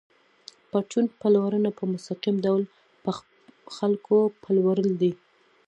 پرچون پلورنه په مستقیم ډول په خلکو پلورل دي